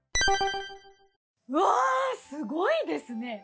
うわぁすごいですね。